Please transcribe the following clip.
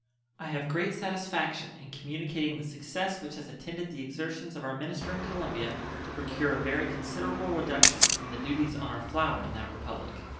I have great satisfaction in communicating the success which has attended the exertions of our minister in Colombia to procure a very considerable reduction in the duties on our flour in that Republic.